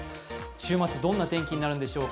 週末どんな天気になるんでしょうか？